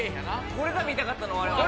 これが見たかったのわれわれ。